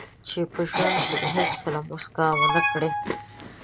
چې په ژوند کې به هیڅکله موسکا ونه کړئ.